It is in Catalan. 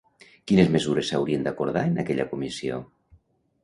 Quines mesures s'haurien d'acordar en aquella comissió?